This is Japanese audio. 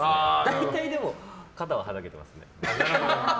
大体、肩ははだけてますね。